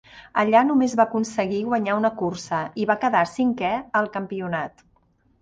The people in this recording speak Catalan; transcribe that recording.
Allà només va aconseguir guanyar una cursa i va quedar cinquè al campionat.